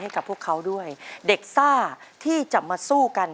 ให้กับพวกเขาด้วยเด็กซ่าที่จะมาสู้กัน